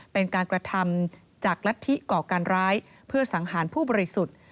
เป็นการกระทำจากลัทธิก่อการร้ายเพื่อสังหารผู้บริสุทธิ์